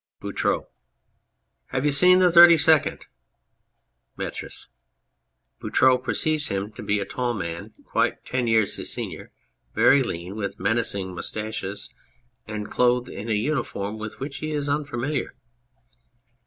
BOUTROUX. Have you seen the Thirty second ? METRIS. (Boutroux perceives him to be a tall man (jitite ten years his senior, very lean, ^vith menacing moustaches, and clothed in a uniform with ivhich he is unfamiliar.)